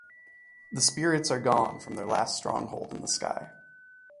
The spirits are gone from their last stronghold in the sky.